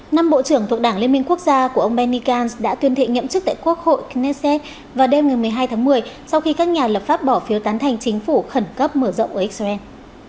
năm bộ trưởng thuộc đảng liên minh quốc gia của ông benny gantz đã tuyên thệ nhậm chức tại quốc hội gnnessep vào đêm ngày một mươi hai tháng một mươi sau khi các nhà lập pháp bỏ phiếu tán thành chính phủ khẩn cấp mở rộng ở israel